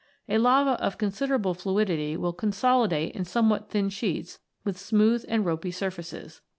A lava of considerable fluidity will consolidate in somewhat thin sheets with smooth and ropy surfaces.